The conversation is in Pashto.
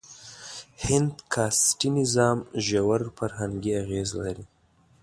هند کاسټي نظام ژور فرهنګي اغېز لري.